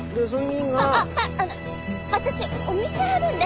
ああの私お店あるんで。